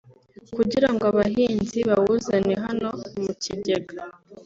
kugira ngo abahinzi bawuzane hano mu kigega